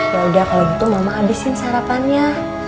yaudah kalau gitu mama habisin sarapannya